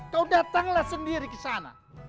kau datanglah sendiri ke sana